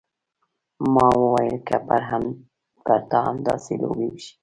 ما وويل که پر تا همداسې لوبې وشي.